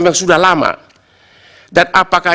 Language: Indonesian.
memang sudah lama dan apakah